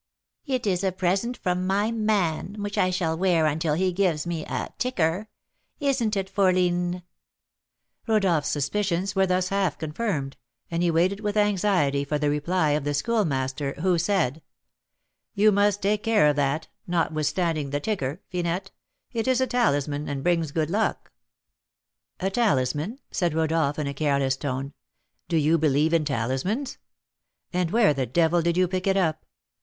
"It is a present from my man, which I shall wear until he gives me a 'ticker.' Isn't it, fourline?" Rodolph's suspicions were thus half confirmed, and he waited with anxiety for the reply of the Schoolmaster, who said: "You must take care of that, notwithstanding the 'ticker,' Finette; it is a talisman, and brings good luck." "A talisman!" said Rodolph, in a careless tone; "do you believe in talismans? And where the devil did you pick it up?